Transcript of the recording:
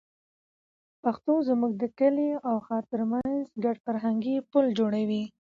پښتو زموږ د کلي او ښار تر منځ ګډ فرهنګي پُل جوړوي.